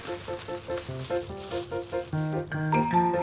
ga ada romantis romantisnya